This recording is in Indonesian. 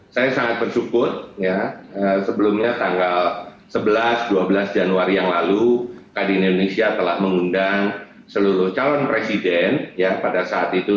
saya sangat bersyukur sebelumnya tanggal sebelas dua belas januari yang lalu kadin indonesia telah mengundang seluruh calon presiden pada saat itu